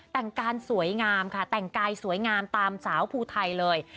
แต่งการสวยงามค่ะแต่งกายสวยงามตามสาวภูไทยเลย